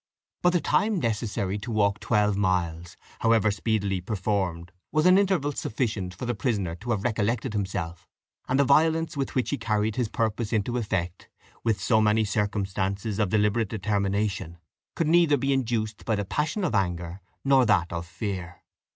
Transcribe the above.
But the time necessary to walk twelve miles, however speedily performed, was an interval sufficient for the prisoner to have recollected himself; and the violence with which he carried his purpose into effect, with so many circumstances of deliberate determination, could neither be induced by the passion of anger nor that of fear.